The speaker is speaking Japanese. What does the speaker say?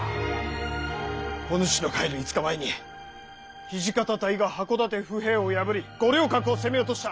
お主の帰る５日前に土方隊が箱館府兵を破り五稜郭を攻め落とした。